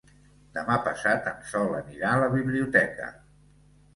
Demà passat en Sol anirà a la biblioteca.